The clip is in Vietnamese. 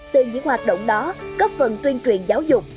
từ những hoạt động đó cấp phần tuyên truyền giáo dục